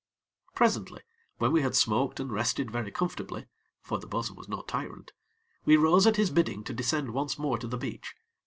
Presently, when we had smoked and rested very comfortably, for the bo'sun was no tyrant, we rose at his bidding to descend once more to the beach.